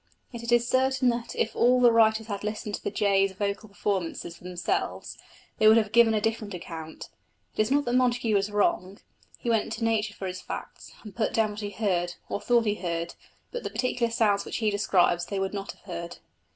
Yet it is certain that if all the writers had listened to the jay's vocal performances for themselves, they would have given a different account. It is not that Montagu was wrong: he went to nature for his facts and put down what he heard, or thought he heard, but the particular sounds which he describes they would not have heard.